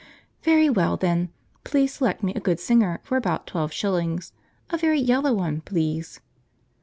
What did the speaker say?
"Very well, then, please select me a good singer for about twelve shillings; a very yellow one, please."